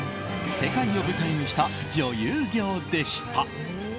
世界を舞台にした女優業でした。